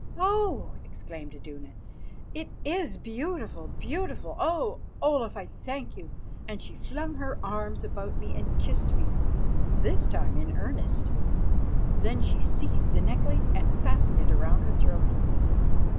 "Oh!" exclaimed Iduna, "it is beautiful, beautiful! Oh! Olaf, I thank you," and she flung her arms about me and kissed me, this time in earnest. Then she seized the necklace and fastened it round her throat.